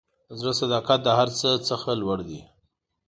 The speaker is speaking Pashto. د زړه صداقت د هر څه څخه لوړ دی.